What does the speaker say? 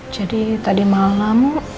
jadi tadi malam